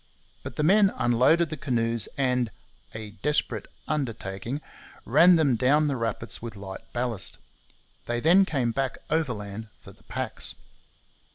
But the men unloaded the canoes and 'a desperate undertaking' ran them down the rapids with light ballast. They then came back overland for the packs.